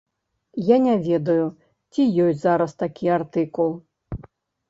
Я не ведаю, ці ёсць зараз такі артыкул.